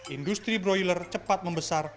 industri broiler cepat membesar